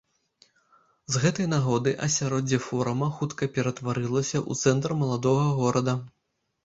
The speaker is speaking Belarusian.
З гэтай нагоды асяроддзе форума хутка ператварылася ў цэнтр маладога горада.